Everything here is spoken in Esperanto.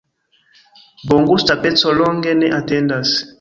Bongusta peco longe ne atendas.